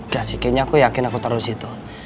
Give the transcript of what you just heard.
gak sih kayaknya aku yakin aku taruh disitu